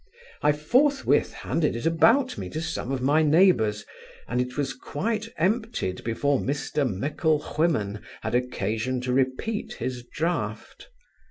I forthwith handed it about me to some of my neighbours, and it was quite emptied before Mr Micklewhimmen had occasion to repeat his draught.